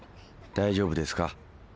大丈夫ですか？